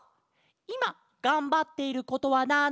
「いまがんばっていることはなんですか？」。